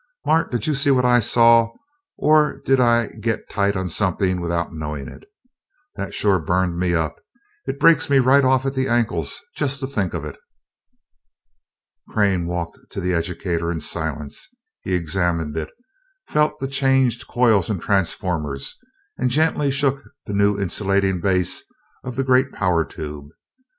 "Mart, did you see what I saw, or did I get tight on something without knowing it? That sure burned me up it breaks me right off at the ankles, just to think of it!" Crane walked to the educator in silence. He examined it, felt the changed coils and transformers, and gently shook the new insulating base of the great power tube.